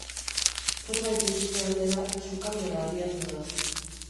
Zerbait egite aldera, sukaldera abiatu da.